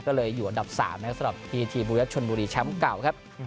ก็เลยอยู่อันดับ๓นะครับสำหรับพีทีบูยัดชนบุรีแชมป์เก่าครับ